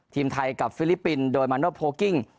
ทีมไทยกับฟิลิปปินโดยมันเนอร์โพลกิ้ง